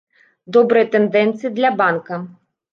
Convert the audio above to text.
Добрыя тэндэнцыі для банка.